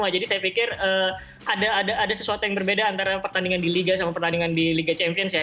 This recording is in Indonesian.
jadi saya pikir ada sesuatu yang berbeda antara pertandingan di liga sama pertandingan di liga champion ya